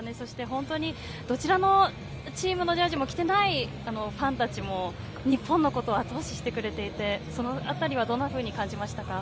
本当にどちらのチームのジャージも着てないファンたちも、日本のことを後押ししてくれた、その辺りは、どんなふうに感じましたか。